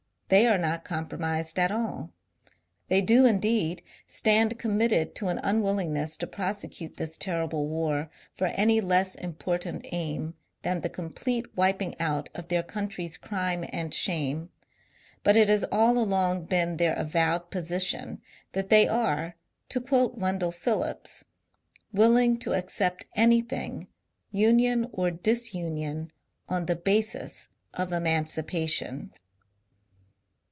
They are not compromised at alL They do, indeed, stand committed to an unwillingness to prosecute this terrible war for any less important aim than the complete wiping out of their country's crime and shame, but it has all along been their avowed posi tion that they are, to quote Wendell Phillips, " willing to accept anything, union or disunion, on the basis of emancipa tion."